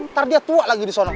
ntar dia tua lagi disona